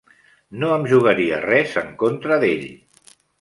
No em jugaria res en contra d'ell.